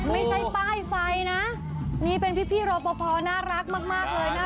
ไม่ใช่ป้ายไฟนะนี่เป็นพี่โรปพอน่ารักมากเลยน่ารักทุกคน